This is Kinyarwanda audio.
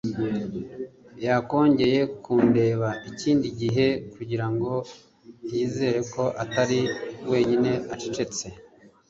yongeye kundeba ikindi gihe kugirango yizere ko atari wenyine acecetse